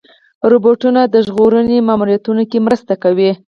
روبوټونه د ژغورنې ماموریتونو کې مرسته کوي.